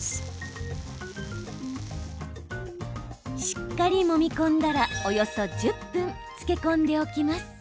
しっかりもみ込んだらおよそ１０分漬け込んでおきます。